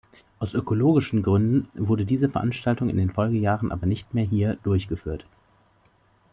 Aus ökologischen Gründen wurde diese Veranstaltung in den Folgejahren aber nicht mehr hier durchgeführt.